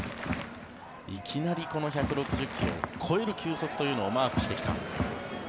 いきなり１６０ｋｍを超える球速というのをマークしてきた。